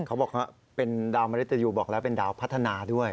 เขาบอกว่าเป็นดาวมริตยูบอกแล้วเป็นดาวพัฒนาด้วย